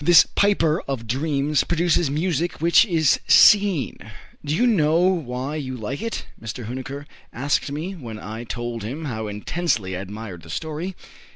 This piper of dreams produces music which is seen. "Do you know why you like it?" Mr. Huneker asked me, when I told him how intensely I admired the story.